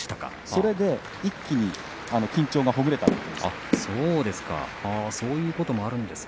それで一気に緊張がほぐれたということです。